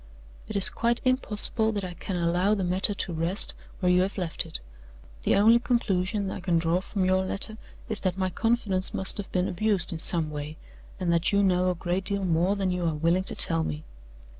It is quite impossible that I can allow the matter to rest where you have left it. The only conclusion I can draw from your letter is that my confidence must have been abused in some way, and that you know a great deal more than you are willing to tell me.